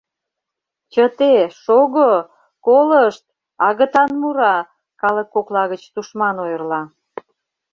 Чыте... шого... колышт — агытан мура... калык кокла гыч тушман ойырла...